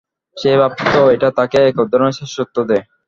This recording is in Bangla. সে ভাবত এটা তাকে একধরনের শ্রেষ্ঠত্ব দেয়।